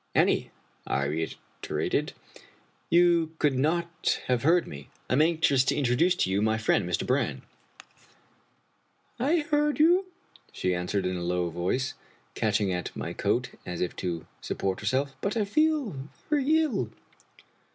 " Annie," I reiterated, " you could not have heard me. I am anxious to introduce to you my friend, Mr. Brann." " I heard you," she answered, in a low voice, catching at my coat as if to support herself, " but I feel very ill."